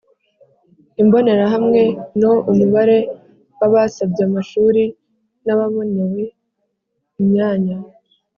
Imbonerahamwe no umubare w abasabye amashuri n ababonewe imyanya